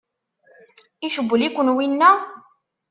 Icewwel-ikem winna?